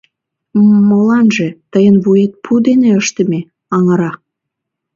— М-м-моланже, тыйын вует пу дене ыштыме, аҥыра.